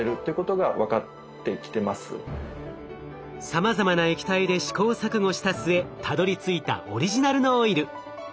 さまざまな液体で試行錯誤した末たどりついたオリジナルのオイル。